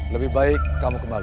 lebih baik kamu kembali